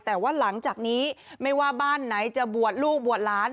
แต่ว่าหลังจากนี้ไม่ว่าบ้านไหนจะบวชลูกบวชหลาน